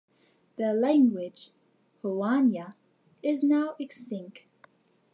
Their language, Hoanya, is now extinct.